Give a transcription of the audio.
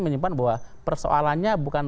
menyimpan bahwa persoalannya bukan